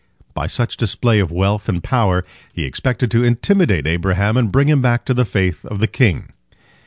By such display of wealth and power he expected to intimidate Abraham and bring him back to the faith of the king.